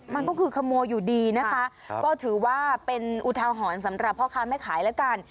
มันก็คือขโมยอยู่ดีนะคะก็ถือว่าเป็นอุทาหรณ์สำหรับพ่อค้าแม่ขายแล้วกัน